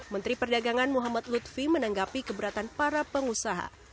menteri perdagangan muhammad lutfi menanggapi keberatan para pengusaha